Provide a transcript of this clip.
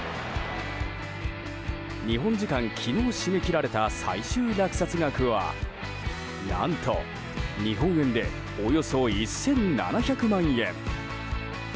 日本時間昨日締め切られた最終落札額は何と日本円でおよそ１７００万円。